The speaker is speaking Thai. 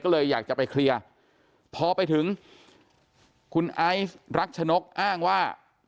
ก็เลยอยากจะไปเคลียร์พอไปถึงคุณไอซ์รักชนกอ้างว่า